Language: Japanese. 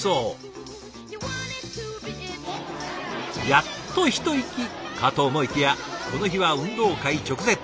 やっと一息かと思いきやこの日は運動会直前。